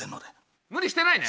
無理してないね？